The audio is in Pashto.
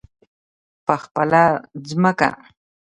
په خپله ځمکه.